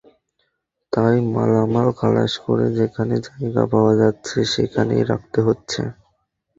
তাই মালামাল খালাস করে যেখানে জায়গা পাওয়া যাচ্ছে, সেখানেই রাখতে হচ্ছে।